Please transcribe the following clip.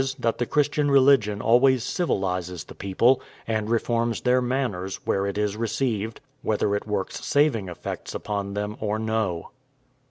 that the Christian religion always civilises the people, and reforms their manners, where it is received, whether it works saving effects upon them or no.